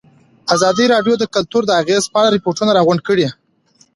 ازادي راډیو د کلتور د اغېزو په اړه ریپوټونه راغونډ کړي.